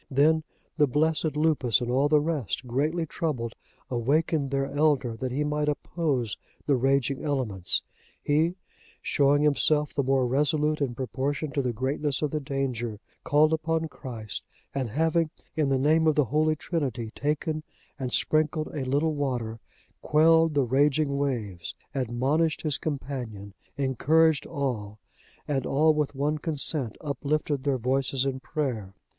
Then the blessed Lupus and all the rest, greatly troubled, awakened their elder, that he might oppose the raging elements. He, showing himself the more resolute in proportion to the greatness of the danger, called upon Christ, and having, in the name of the Holy Trinity, taken and sprinkled a little water, quelled the raging waves, admonished his companion, encouraged all, and all with one consent uplifted their voices in prayer.